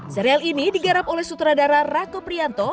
serial ini digarap oleh sutradara rako prianto